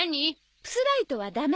プスライトはダメ！